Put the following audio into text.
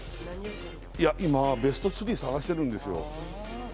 今ベスト３探してるんですよ